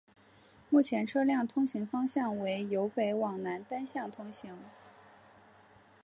目前车辆通行方向为由北往南单向通行。